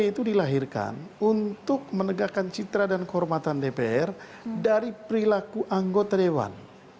itu dilahirkan untuk menegakkan citra dan kehormatan dpr dari perilaku anggota dewan